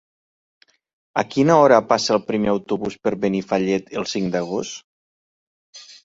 A quina hora passa el primer autobús per Benifallet el cinc d'agost?